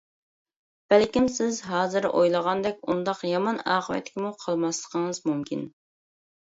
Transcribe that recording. بەلكىم سىز ھازىر ئويلىغاندەك ئۇنداق يامان ئاقىۋەتكىمۇ قالماسلىقىڭىز مۇمكىن.